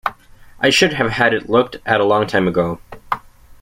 I should have had it looked at a long time ago.